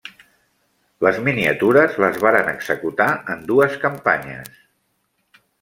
Les miniatures les varen executar en dues campanyes.